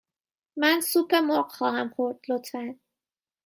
من سوپ مرغ خواهم خورد، لطفاً.